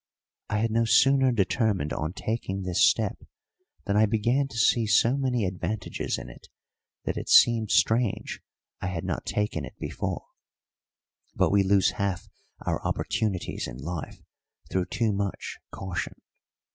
I had no sooner determined on taking this step than I began to see so many advantages in it that it seemed strange I had not taken it before; but we lose half our opportunities in life through too much caution.